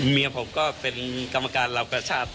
เมียผมก็เป็นกรรมการเหล่ากาชาติ